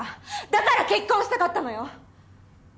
だから結婚したかったのよ！